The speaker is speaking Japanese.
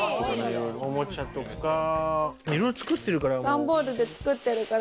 段ボールで作ってるから。